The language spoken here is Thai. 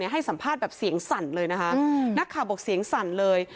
ให้สัมภาษณ์แบบเสียงสั่นเลยนะคะนักข่าวบอกเสียงสั่นเลย